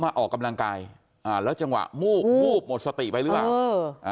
ออกกำลังกายอ่าแล้วจังหวะวูบวูบหมดสติไปหรือเปล่าเอออ่า